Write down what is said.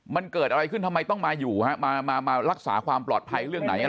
มันเกิดอะไรขึ้นทำไมต้องมาอยู่ฮะมามารักษาความปลอดภัยเรื่องไหน